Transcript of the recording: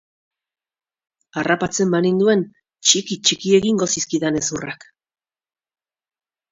Harrapatzen baninduen, txiki-txiki egingo zizkidan hezurrak.